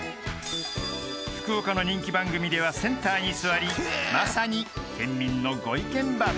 ［福岡の人気番組ではセンターに座りまさに県民のご意見番］